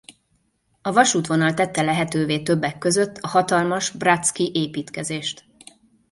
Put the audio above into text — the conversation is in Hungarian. A vasútvonal tette lehetővé többek között a hatalmas bratszki építkezést.